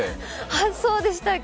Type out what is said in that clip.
あっ、そうでしたっけ。